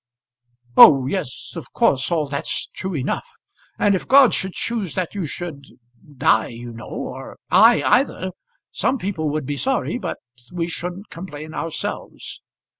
"Oh yes, of course all that's true enough. And if God should choose that you should die, you know, or I either, some people would be sorry, but we shouldn't complain ourselves.